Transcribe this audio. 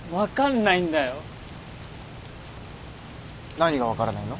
何が分からないの？